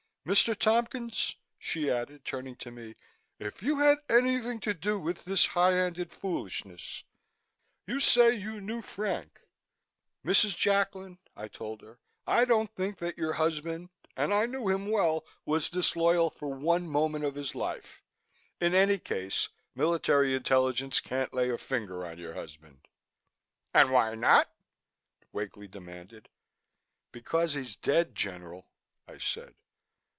Mr. Tompkins," she added, turning to me, "if you had anything to do with this high handed foolishness you say you knew Frank " "Mrs. Jacklin," I told her. "I don't think that your husband, and I knew him well, was disloyal for one moment of his life. In any case, military intelligence can't lay a finger on your husband." "And why not?" Wakely demanded. "Because he's dead, General," I said.